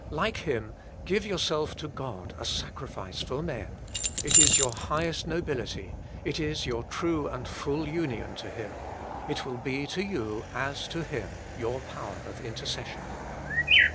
Like Him, give yourself to God a sacrifice for men : it is your highest nobility, it is your true and full union to Him ; it will be to you, as to Him, your power of intercession.